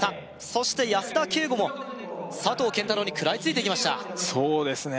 そして安田圭吾も佐藤拳太郎に食らいついていきましたそうですね